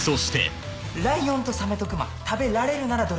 「ライオンとサメと熊食べられるならどれがいい？」